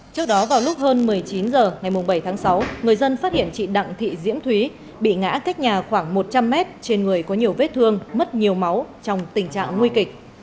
trước đó vào lúc hơn một mươi chín h ngày bảy tháng sáu người dân phát hiện chị đặng thị diễm thúy bị ngã cách nhà khoảng một trăm linh m trên người có nhiều vết thương mất nhiều máu trong tình trạng nguy kịch